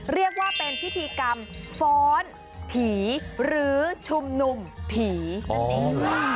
เรียกว่าเป็นพิธีกรรมฟ้อนผีหรือชุมนุมผีนั่นเอง